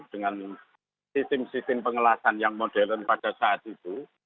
dengan sistem sistem pengelasan yang modern pada saat itu